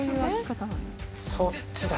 そっちだ。